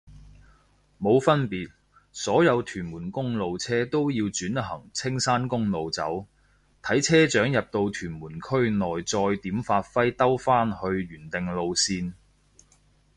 冇分別，所有屯門公路車都要轉行青山公路走，睇車長入到屯門區內再點發揮兜返去原定路線